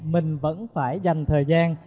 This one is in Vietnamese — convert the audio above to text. mình vẫn phải dành thời gian